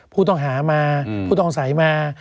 ผู้ต้องหามาผู้ต้องสัยมา